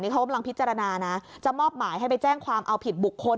เขากำลังพิจารณานะจะมอบหมายให้ไปแจ้งความเอาผิดบุคคล